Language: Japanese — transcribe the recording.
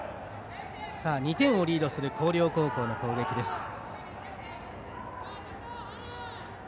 ２点をリードする広陵高校の攻撃です。